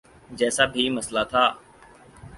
جیسا بھی مسئلہ تھا۔